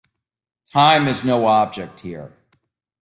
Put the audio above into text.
Time is no object here.